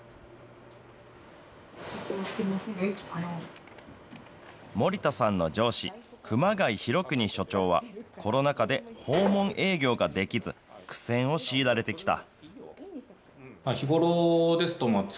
メー森田さんの上司、熊谷浩邦所長は、コロナ禍で訪問営業ができず、苦戦を強いられてきた。